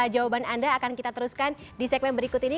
jawaban anda akan kita teruskan di segmen berikut ini